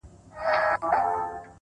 هره هڅه پټ اغېز زېږوي!